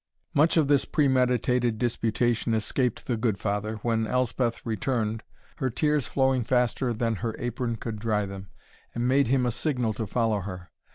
Much of this premeditated disputation escaped the good father, when Elspeth returned, her tears flowing faster than her apron could dry them, and made him a signal to follow her.